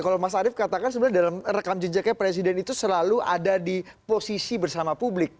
kalau mas arief katakan sebenarnya dalam rekam jejaknya presiden itu selalu ada di posisi bersama publik